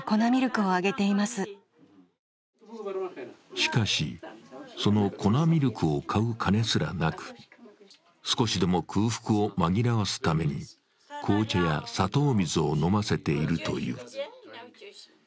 しかし、その粉ミルクを買う金すらなく、少しでも空腹を紛らわすために紅茶や砂糖水を飲ませているという。